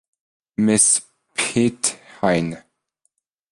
Ms. "Piet Heyn".